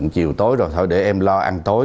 chiều tối rồi thôi để em lo ăn tối